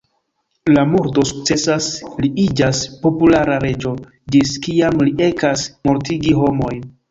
La murdo sukcesas, li iĝas populara reĝo, ĝis kiam li ekas mortigi homojn.